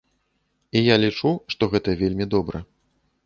І я лічу, што гэта вельмі добра.